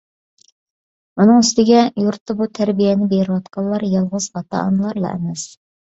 ئۇنىڭ ئۈستىگە، يۇرتتا بۇ تەربىيەنى بېرىۋاتقانلار يالغۇز ئاتا-ئانىلارلا ئەمەس.